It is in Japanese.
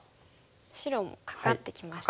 白もカカってきましたね。